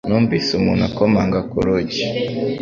Numvise umuntu akomanga ku rugi